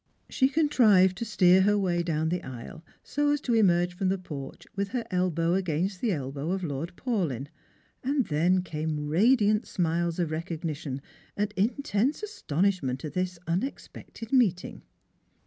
She contrived to steer her way down the aisle so as to emerge from the porch with her elbow against the elbow of Lord Paulyn, and then came radiant smiles of recognition, and intense astonishment at this unexpected meeting.